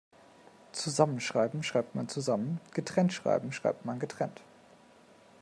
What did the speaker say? Zusammenschreiben schreibt man zusammen, getrennt schreiben schreibt man getrennt.